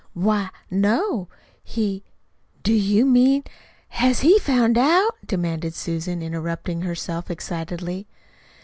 "Why, no. He Do you mean HAS he found out?" demanded Susan, interrupting herself excitedly.